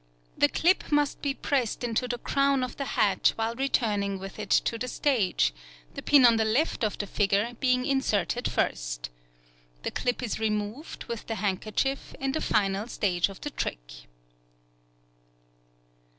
The clip must be pressed into the crown of the hat while returning with it to the stage, the pin on the left of the figure being inserted first. The clip is removed, with the handkerchief, in the final stage of the trick.